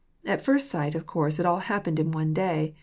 — At first sight of course it all happened in one day.